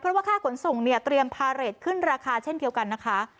เพราะว่าค่าขนส่งเนี่ยเตรียมพาเรทขึ้นราคาเช่นเดียวกันนะคะ